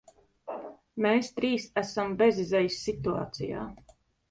Mēs trīs esam bezizejas situācijā.